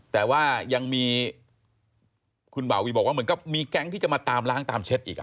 แต่ว่ายังมีคุณบ่าวีบอกว่าเหมือนกับมีแก๊งที่จะมาตามล้างตามเช็ดอีก